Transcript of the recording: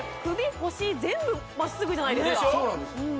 首腰全部まっすぐじゃないですかでしょ？